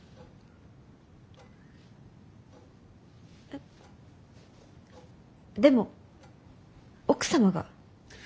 えでも奥様が。